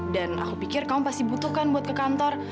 dan aku pikir kamu pasti butuhkan buat ke kantor